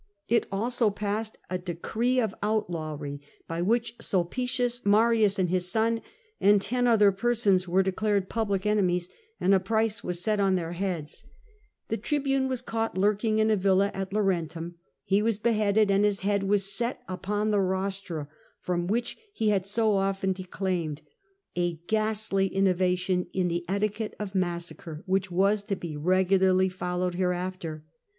It also passed a decree of outlawry, by which Sulpicius, Marius and his son, and ten other persons, were declared public enemies, and a price was set on their heads. The tribune was caught lurking in a villa at Laurentum. He was beheaded, and his head was set upon the rostra from which he had so often declaimed, a ghastly innovation in the etiquette of massacre which was to be regularly fol lowed hereafter.